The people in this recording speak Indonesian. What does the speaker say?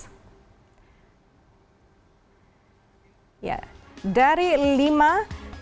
dari lima anggaran belanja kementerian atau lembaga yang paling besar dipangkas